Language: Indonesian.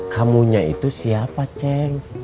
kamunya itu siapa ceng